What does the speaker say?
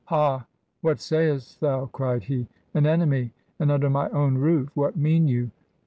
'Ha! What sayest thou!' cried he. 'An enemy! And under my own roof! What mean you?'